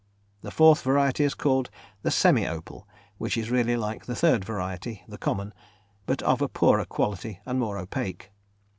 The fourth variety is called the "semi opal," which is really like the third variety, the "common," but of a poorer quality and more opaque.